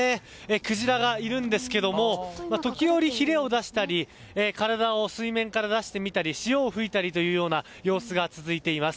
クジラがいるんですけれども時折、ひれを出したり体を水面から出してみたり潮を吹いたりという様子が続いています。